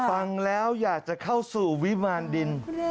ฟังแล้วอยากจะเข้าสู่วิมารดิน